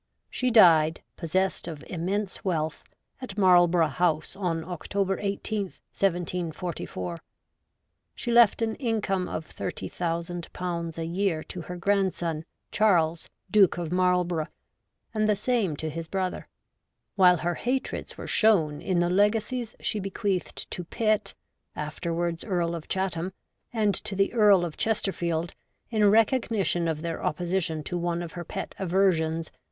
She died, possessed of immense wealth, at Marl borough House, on October i8th, 1744. She left an income of 30,000/. a year to her grandson, Charles, Duke of Marlborough, and the same to his brother ; while her hatreds were shown in the legacies she bequeathed to Pitt (afterwards Earl of Chatham) and to the Earl of Chesterfield, in recognition of 'their opposition to one of her pet aversions.